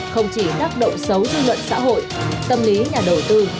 không chỉ đắc độ xấu dư luận xã hội tâm lý nhà đầu tư